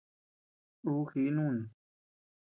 Ú jiʼi nùni.